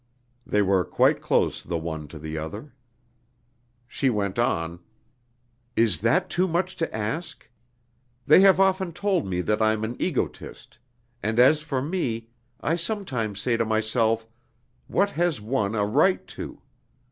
(They were quite close the one to the other.) She went on: "Is that too much to ask?... They have often told me that I'm an egotist; and as for me, I sometimes say to myself: What has one a right to?